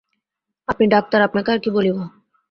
আপনি ডাক্তার, আপনাকে আর কী বলিব।